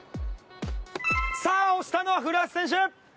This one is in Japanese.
さあ押したのは古橋選手。